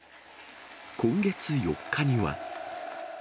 今月４日には。